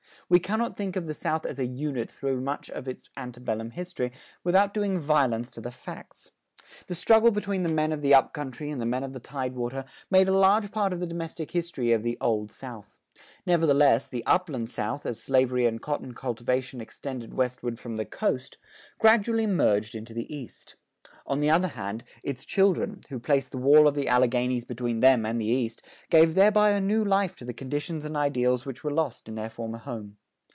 We cannot think of the South as a unit through much of its ante bellum history without doing violence to the facts. The struggle between the men of the up country and the men of the tide water, made a large part of the domestic history of the "Old South." Nevertheless, the Upland South, as slavery and cotton cultivation extended westward from the coast, gradually merged in the East. On the other hand, its children, who placed the wall of the Alleghanies between them and the East, gave thereby a new life to the conditions and ideals which were lost in their former home.